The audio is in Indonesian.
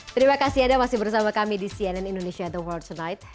terima kasih anda masih bersama kami di cnn indonesia the world tonight